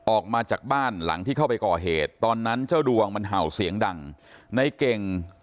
ออกมาจากบ้านหลังที่เข้าไปก่อเหตุตอนนั้นเจ้าดวงมันเห่าเสียงดังในเก่ง